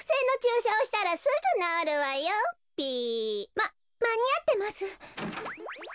ままにあってます。